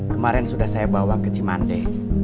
kemarin sudah saya bawa ke cimande